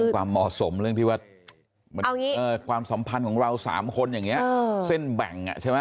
ความหมอสมเรื่องที่ว่าความสัมพันธ์ของเราสามคน